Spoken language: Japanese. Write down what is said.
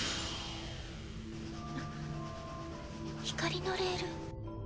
光のレール？